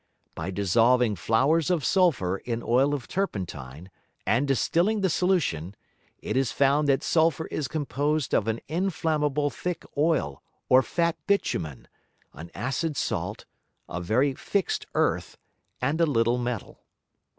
By dissolving Flowers of Sulphur in Oil of Turpentine, and distilling the Solution, it is found that Sulphur is composed of an inflamable thick Oil or fat Bitumen, an acid Salt, a very fix'd Earth, and a little Metal.